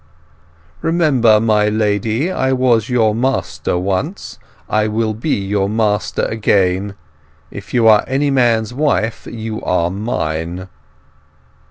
"Remember, my lady, I was your master once! I will be your master again. If you are any man's wife you are mine!"